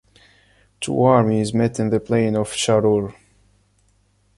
Two armies met in the plain of Sharur.